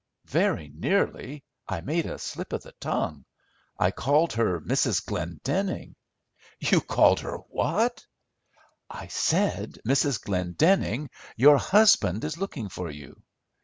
"Very nearly, I made a slip of the tongue. I called her Mrs. Glendenning." "You called her what?" "I said, 'Mrs. Glendenning, your husband is looking for you.